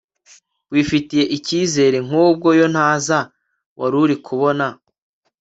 wifitiye ikizere nkubwo yo ntaza waruri kubona